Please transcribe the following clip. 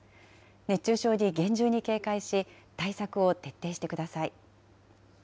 熱中症に厳重に警戒し、対策を徹底してください。